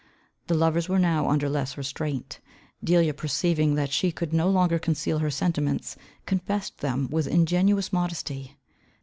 The lovers were now under less restraint. Delia, perceiving that she could no longer conceal her sentiments, confessed them with ingenuous modesty.